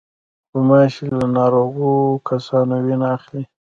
غوماشې له ناروغو کسانو وینه اخلي.